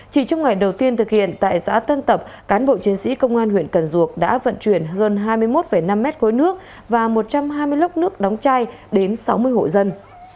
chỉ trong ngày đầu tiên thực hiện tại xã tân tập cán bộ chiến sĩ công an huyện cần duộc đã vận chuyển hơn hai mươi một năm mét khối nước và một trăm hai mươi lốc nước đóng chai đến sáu mươi hộ dân